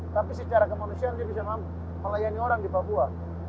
tapi secara kemanusiaan dia bisa melayani orang di papua